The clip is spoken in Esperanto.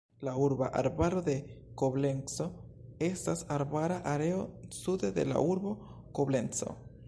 La urba arbaro de Koblenco estas arbara areo sude de la urbo Koblenco.